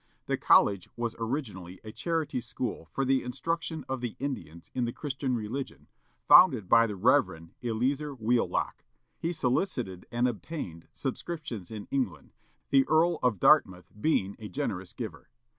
The college was originally a charity school for the instruction of the Indians in the Christian religion, founded by Rev. Eleazer Wheelock. He solicited and obtained subscriptions in England, the Earl of Dartmouth being a generous giver.